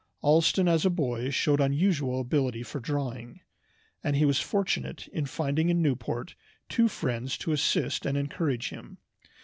Allston as a boy showed unusual ability for drawing, and he was fortunate in finding in Newport two friends to assist and encourage him.